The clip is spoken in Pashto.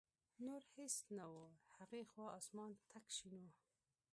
نور هېڅ نه و، هغې خوا اسمان تک شین و.